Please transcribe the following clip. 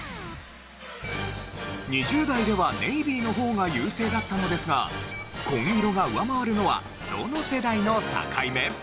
２０代ではネイビーの方が優勢だったのですが紺色が上回るのはどの世代の境目？